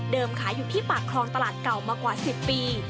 ขายอยู่ที่ปากคลองตลาดเก่ามากว่า๑๐ปี